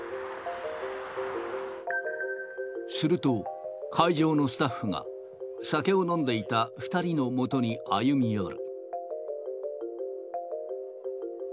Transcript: すると、会場のスタッフが、酒を飲んでいた２人のもとに歩み寄る。